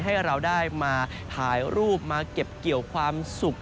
ให้เราได้มาถ่ายรูปมาเก็บเกี่ยวความสุข